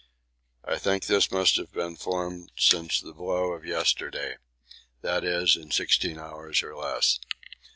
I think this must have been formed since the blow of yesterday, that is, in sixteen hours or less.